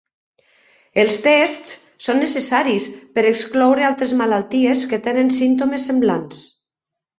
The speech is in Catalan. Els tests són necessaris per excloure altres malalties que tenen símptomes semblants.